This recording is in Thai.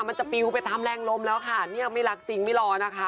มันจะปิวไปตามแรงลมแล้วค่ะเนี่ยไม่รักจริงไม่รอนะคะ